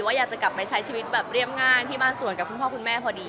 อยากจะกลับไปใช้ชีวิตแบบเรียบง่ายที่บ้านสวนกับคุณพ่อคุณแม่พอดี